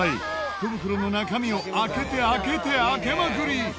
福袋の中身を開けて開けて開けまくり！